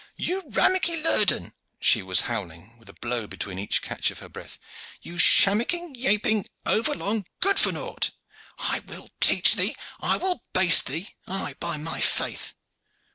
"You rammucky lurden," she was howling, with a blow between each catch of her breath, "you shammocking, yaping, over long good for nought. I will teach thee! I will baste thee! Aye, by my faith!"